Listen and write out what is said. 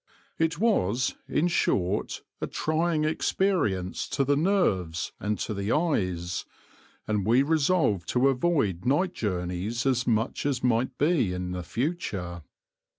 It was, in short, a trying experience to the nerves and to the eyes, and we resolved to avoid night journeys as much as might be in the future.